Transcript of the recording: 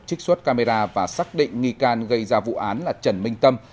trích xuất camera và xác định nghi can gây ra vụ án là trần minh tâm